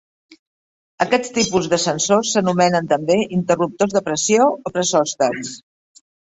Aquests tipus de sensors s'anomenen també interruptors de pressió o pressòstats.